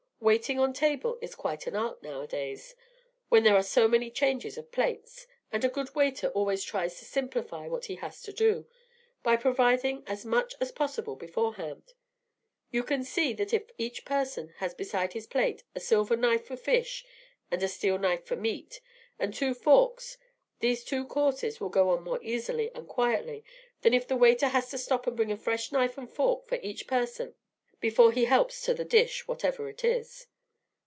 Waiting on table is quite an art, now a days, when there are so many changes of plates, and a good waiter always tries to simplify what he has to do, by providing as much as possible beforehand. You can see that if each person has beside his plate a silver knife for fish and a steel knife for meat and two forks these two courses will go on more easily and quietly than if the waiter has to stop and bring a fresh knife and fork for each person before he helps to the dish, whatever it is."